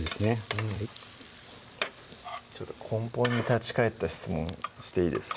うん根本に立ち返った質問していいですか？